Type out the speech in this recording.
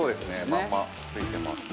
まんま付いてますね。